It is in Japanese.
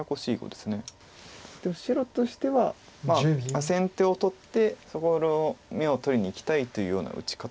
でも白としては先手を取ってそこの眼を取りにいきたいというような打ち方です。